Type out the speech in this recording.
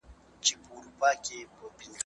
.د خدای د پاره کابل مه ورانوی